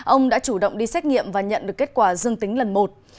ông đã chủ động đi xét nghiệm và nhận được kết quả dương tính lần một